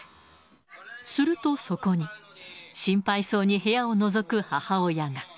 すると、そこに心配そうに部屋をのぞく母親が。